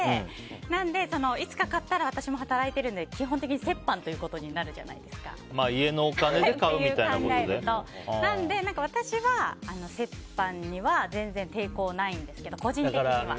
なので、いつか買ったら私も働いているので基本的に折半ということに家のお金でなので、私は折半には全然抵抗ないんですけど個人的には。